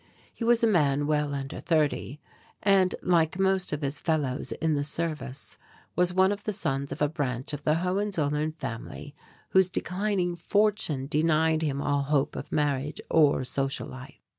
He was a man well under thirty and like most of his fellows in the service was one of the sons of a branch of the Hohenzollern family whose declining fortune denied him all hope of marriage or social life.